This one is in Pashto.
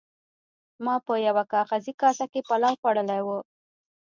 ما په یوه کاغذي کاسه کې پلاو خوړلی و.